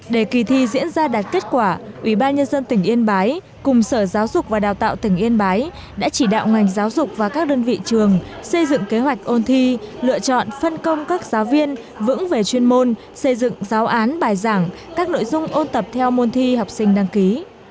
để kỳ thi diễn ra đạt kết quả ubnd tỉnh yên bái cùng sở giáo dục và đào tạo tỉnh yên bái đã chỉ đạo ngành giáo dục và các đơn vị trường xây dựng kế hoạch ôn thi lựa chọn phân công các giáo viên vững về chuyên môn xây dựng giáo án bài giảng các nội dung ôn tập theo môn thi học sinh đăng ký